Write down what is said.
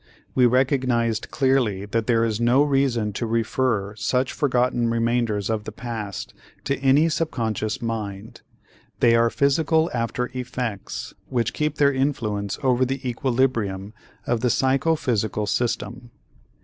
We recognized clearly that there is no reason to refer such forgotten remainders of the past to any subconscious mind; they are physical after effects which keep their influence over the equilibrium of the psychophysical system.